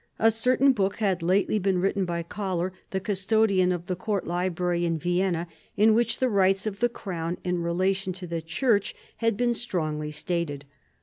A certain book had lately been written by Kollar, the custodian of the court library in Vienna, in which the rights of the crown in relation to the Church had been strongly stated.